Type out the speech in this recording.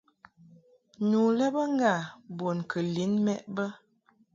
Nu lɛ bə ŋgâ bun kɨ lin mɛʼ bə.